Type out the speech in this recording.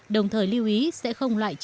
đồng thời lưu ý sẽ không bị phá hủy